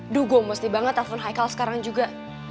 duh gue mesti banget telfon heikal sekarang juga